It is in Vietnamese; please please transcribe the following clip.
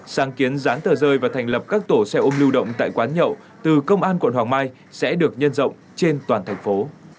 sáng kiến dán tờ rơi và thành lập các tổ xe ôm lưu động tại quán nhậu từ công an quận hoàng mai sẽ được nhân rộng trên toàn thành phố